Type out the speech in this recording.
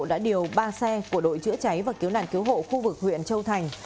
đã điều ba xe của đội chữa cháy và cứu nạn cứu hộ khu vực huyện châu thành